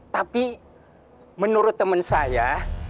tapi menurut teman saya